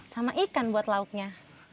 sama ikan buat lauknya